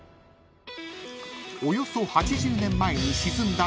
［およそ８０年前に沈んだ］